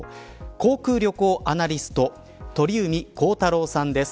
航空・旅行アナリスト鳥海高太朗さんです。